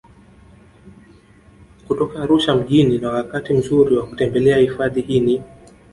Kutoka Arusha mjini na wakati mzuri wa kutembelea hifadhi hii ni